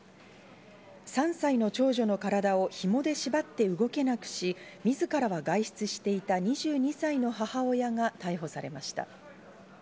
３歳の長女の体を紐で縛って動けなくし、自らは外出していた２２歳の母親が逮捕されました。